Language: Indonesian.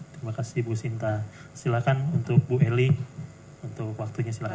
terima kasih bu sinta silakan untuk bu eli untuk waktunya silahkan